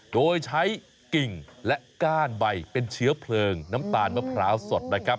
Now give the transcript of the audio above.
โดยใช้กิ่งและก้านใบเป็นเชื้อเพลิงน้ำตาลมะพร้าวสดนะครับ